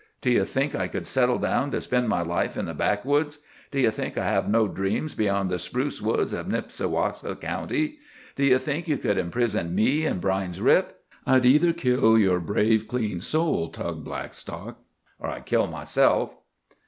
Do you think I could settle down to spend my life in the backwoods? Do you think I have no dreams beyond the spruce woods of Nipsiwaska County? Do you think you could imprison me in Brine's Rip? I'd either kill your brave, clean soul, Tug Blackstock, or I'd kill myself!"